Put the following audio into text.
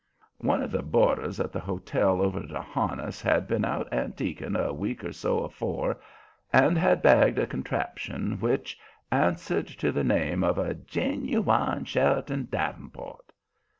One of the boarders at the hotel over to Harniss had been out antiquing a week or so afore and had bagged a contraption which answered to the name of a "ginuwine Sheriton davenport."